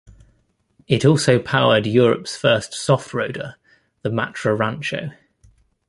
It also powered Europe's first soft-roader, the Matra Rancho.